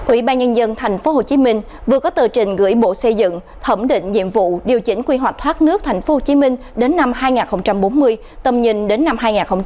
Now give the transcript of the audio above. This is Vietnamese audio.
ủy ban nhân dân tp hcm vừa có tờ trình gửi bộ xây dựng thẩm định nhiệm vụ điều chỉnh quy hoạch thoát nước tp hcm đến năm hai nghìn bốn mươi tầm nhìn đến năm hai nghìn năm mươi